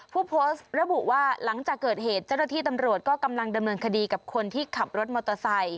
ผู้โพสต์ระบุว่าหลังจากเกิดเหตุเจ้าหน้าที่ตำรวจก็กำลังดำเนินคดีกับคนที่ขับรถมอเตอร์ไซค